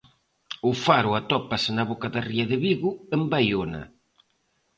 O faro atópase na boca da ría de Vigo, en Baiona.